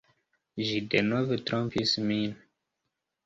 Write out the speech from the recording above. Ĝi denove trompis min.